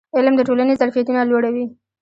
علم د ټولنې ظرفیتونه لوړوي.